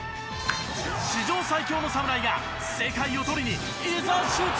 史上最強の侍が世界をとりにいざ出陣！